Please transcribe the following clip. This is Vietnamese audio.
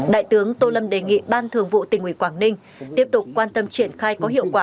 đại tướng tô lâm đề nghị ban thường vụ tỉnh ủy quảng ninh tiếp tục quan tâm triển khai có hiệu quả